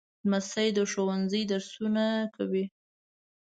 لمسی د ښوونځي درسونه کوي.